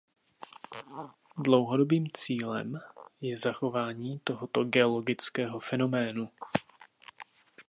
Dlouhodobým cílem je zachování tohoto geologického fenoménu.